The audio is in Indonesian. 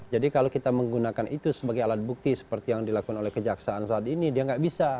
jadi kalau kita menggunakan itu sebagai alat bukti seperti yang dilakukan oleh kejaksaan saat ini dia tidak bisa